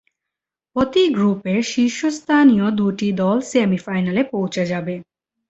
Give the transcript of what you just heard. প্রতি গ্রুপের শীর্ষস্থানীয় দু'টি দল সেমি-ফাইনালে পৌঁছে যাবে।